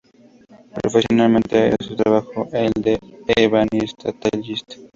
Profesionalmente, era su trabajo el de ebanista-tallista.